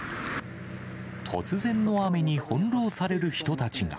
突然の雨に翻弄される人たちが。